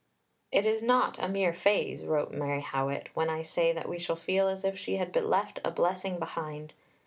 "It is not a mere phrase," wrote Mary Howitt, "when I say that we shall feel as if she had left a blessing behind."